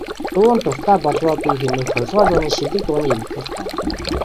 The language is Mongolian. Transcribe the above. "Дуунд дуртай болов оо би" хэмээх ХХ зууны шилдэг дууны эмхэтгэлд байгаа.